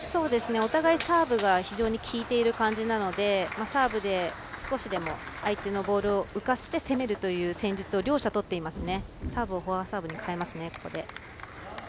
お互いサーブが非常に効いている感じなのでサーブで少しでも相手のボールを浮かせて攻めるという戦術を両者とっていますね。